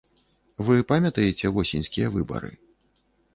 Вы памятаеце восеньскія выбары?